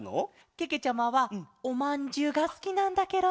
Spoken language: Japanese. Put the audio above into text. けけちゃまはおまんじゅうがすきなんだケロ。